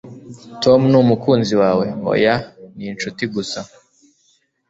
"Tom ni umukunzi wawe?" "Oya, ni inshuti gusa."